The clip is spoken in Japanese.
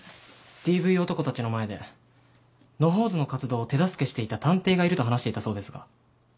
ＤＶ男たちの前で野放図の活動を手助けしていた探偵がいると話していたそうですが。